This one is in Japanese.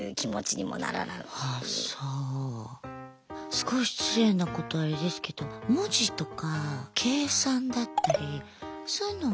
すごい失礼なことあれですけど文字とか計算だったりそういうのは。